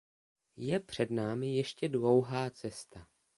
Je před námi ještě dlouhá cesta.